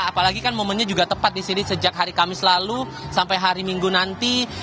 apalagi kan momennya juga tepat di sini sejak hari kamis lalu sampai hari minggu nanti